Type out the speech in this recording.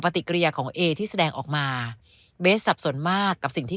ปฏิกิริยาของเอที่แสดงออกมาเบสสับสนมากกับสิ่งที่